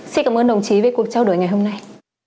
xin cảm ơn đồng chí về cuộc trao đổi ngày hôm nay